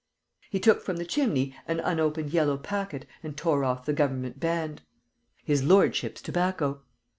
He took from the chimney an unopened yellow packet and tore off the government band: "His lordship's tobacco!